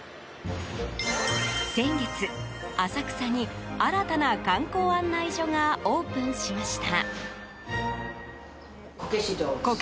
先月、浅草に新たな観光案内所がオープンしました。